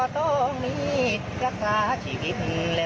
ดีค่ะดีค่ะ